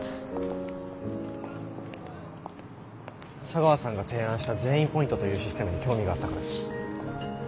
茶川さんが提案した「善意ポイント」というシステムに興味があったからです。